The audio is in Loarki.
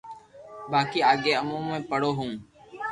باقي آگي اومون ھي پڙو ھون